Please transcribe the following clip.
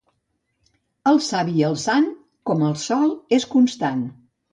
El savi i sant, com el sol és constant.